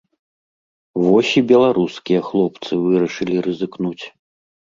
Вось і беларускія хлопцы вырашылі рызыкнуць.